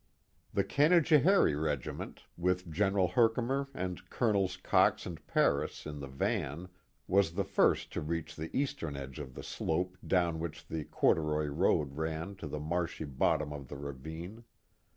The Canajoharie regiment, with General Herkimer and Colonels Cox and I'aris in the van, was the first to reach the eastern edge of the slope down which the corduroy road ran to the marshy bottom of the ravine.